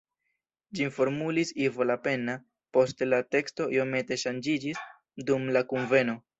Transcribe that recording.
Ĝin formulis Ivo Lapenna, poste la teksto iomete ŝanĝiĝis dum la kunveno.